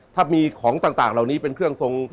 ถ้ามีของต่างเหล่านี้เป็นเครื่องทรง